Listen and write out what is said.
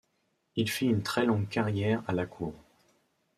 Il fit une très longue carrière à la Cour.